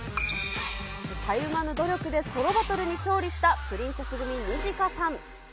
たゆまぬ努力でソロバトルに勝利したプリンセス組、ニジカさん。